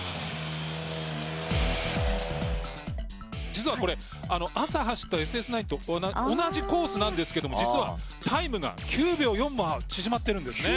実はこれ朝走ったＳＳ９と同じコースなんですが実はタイムが９秒４も縮まっているんですね。